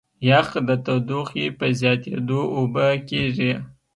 یخ د تودوخې په زیاتېدو اوبه کېږي.